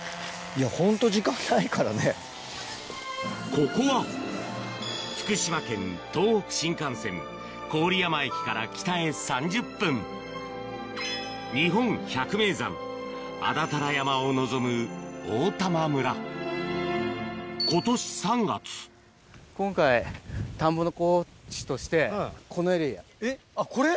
ここは福島県東北新幹線郡山駅から北へ３０分日本百名山安達太良山を望む今年３月えっあっこれ？